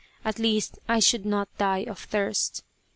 At least I should not die of thirst.